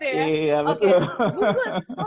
gitu ya oke bungkus